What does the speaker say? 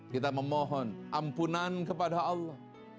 kita memohon ampunan kepada allah